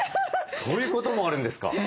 そういうこともあるんですか。